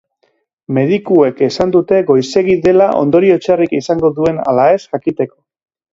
Medikuek esan dute goizegi dela ondorio txarrik izango duen ala ez jakiteko.